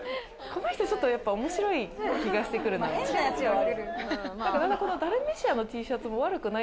この人、ちょっとやっぱ面白い気がしてくるな。